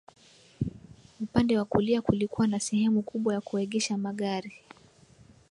Upande wa kulia kulikuwa na sehemu kubwa ya kuegesha magari